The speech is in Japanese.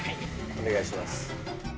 お願いします。